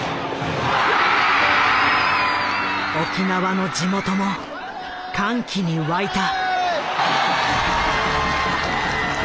沖縄の地元も歓喜に沸いた。